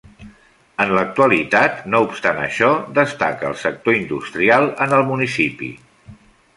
En l'actualitat, no obstant això, destaca el sector industrial en el municipi.